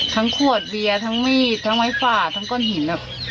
ทั้งขวดเบียร์ทั้งมีดทั้งไม้ฝาดทั้งก้นหินอ่ะ